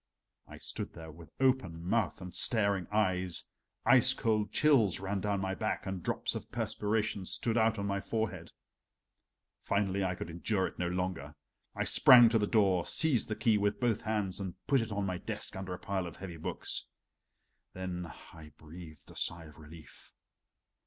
I stood there with open mouth and staring eyes, ice cold chills ran down my back, and drops of perspiration stood out on my forehead. Finally, I could endure it no longer. I sprang to the door, seized the key with both hands and put it on my desk under a pile of heavy books. Then I breathed a sigh of relief.